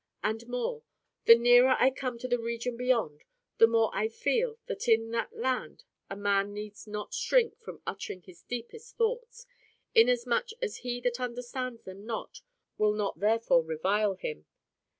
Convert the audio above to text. And more, the nearer I come to the region beyond, the more I feel that in that land a man needs not shrink from uttering his deepest thoughts, inasmuch as he that understands them not will not therefore revile him.